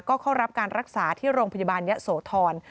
ก็เข้ารับการรักษาที่โรงพยาบาลยะโสธร